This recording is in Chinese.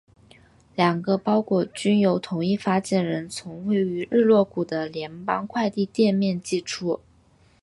两个包裹均由同一发件人从位于日落谷的联邦快递店面寄出。